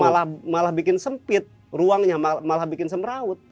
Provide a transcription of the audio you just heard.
iya malah bikin sempit ruangnya malah bikin semberaut